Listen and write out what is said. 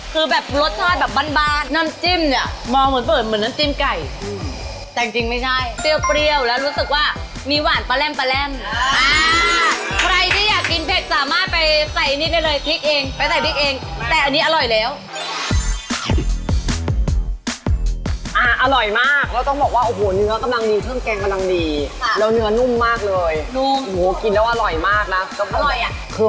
คือแบบรสชาติแบบบานบานน้ำจิ้มเนี้ยมองเหมือนเบิดเหมือนน้ำจิ้มไก่